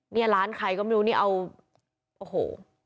นี่ร้านใครก็ไม่รู้นี่เอาโอ้โห